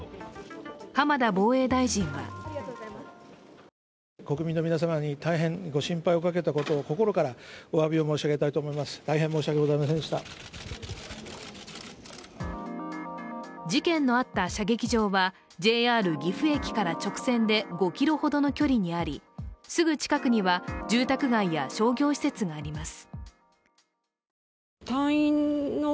浜田防衛大臣は事件のあった射撃場はＪＲ岐阜駅から直線で５ｋｍほどの距離にあり、すぐ近くには住宅街や商業施設があります。